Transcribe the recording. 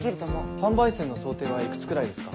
販売数の想定はいくつくらいですか？